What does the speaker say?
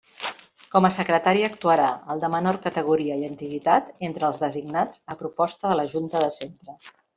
Com a secretari actuarà el de menor categoria i antiguitat entre els designats a proposta de la junta de centre.